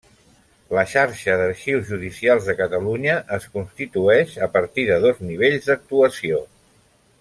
La Xarxa d'Arxius Judicials de Catalunya es constitueix a partir de dos nivells d'actuació.